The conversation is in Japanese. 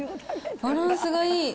バランスがいい！